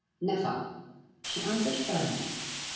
"Never," she answered, firmly.